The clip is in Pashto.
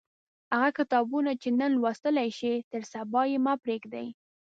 هغه کتابونه چې نن لوستلای شئ تر سبا یې مه پریږدئ.